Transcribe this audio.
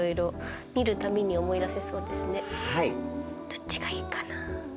どっちがいいかな。